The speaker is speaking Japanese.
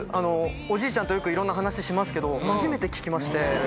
おじいちゃんとよくいろんな話しますけど初めて聞きまして。